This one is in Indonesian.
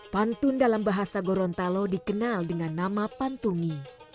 pantun dalam bahasa gorontalo dikenal dengan nama pantungi